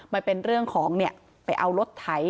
มันเป็นเรื่องของเนี่ยไปเอารถถ่าย